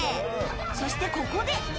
そして、ここで。